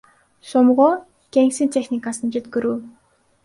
сомго кеңсе техникасын жеткирүү.